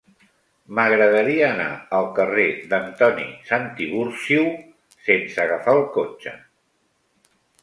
M'agradaria anar al carrer d'Antoni Santiburcio sense agafar el cotxe.